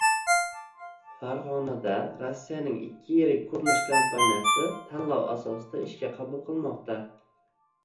Farg‘onada Rossiyaning ikki yirik qurilish kompaniyasi tanlov asosida ishga qabul qilmoqda